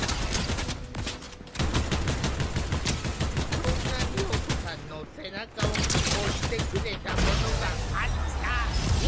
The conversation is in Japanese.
そんな美保子さんの背中を押してくれたものがあった。